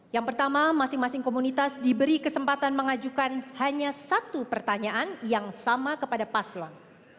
yang pertama masing masing komunitas diberi kesempatan mengajukan hanya satu pertanyaan yang sama kepada paslon